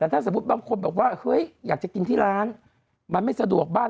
แต่ถ้าสมมุติบางคนบอกว่าเฮ้ยอยากจะกินที่ร้านมันไม่สะดวกบ้าน